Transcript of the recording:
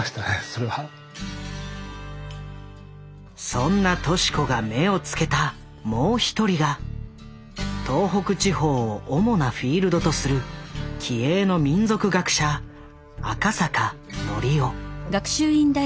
そんな敏子が目を付けたもう一人が東北地方を主なフィールドとする気鋭の民俗学者赤坂憲雄。